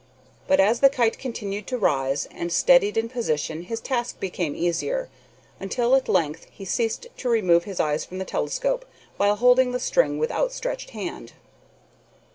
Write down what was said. But as the kite continued to rise and steadied in position his task became easier, until at length he ceased to remove his eye from the telescope while holding the string with outstretched hand.